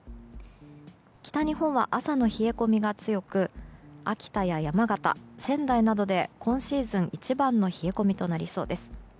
北日本は朝の冷え込みが強く秋田や山形、仙台などで今シーズン一番の冷え込みとなりそうです。